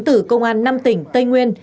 trường cao đẳng cảnh sát nhân dân